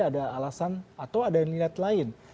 ada alasan atau ada niat lain